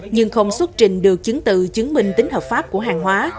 nhưng không xuất trình được chứng tự chứng minh tính hợp pháp của hàng hóa